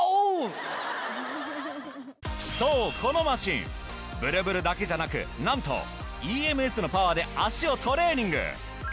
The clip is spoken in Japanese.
そうこのマシンブルブルだけじゃなくなんとＥＭＳのパワーで足をトレーニング。